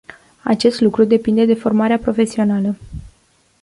Acest lucru depinde de formarea profesională.